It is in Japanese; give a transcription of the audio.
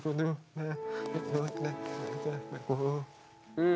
うん。